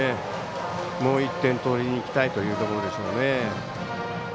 もう１点取りにいきたいということでしょうね。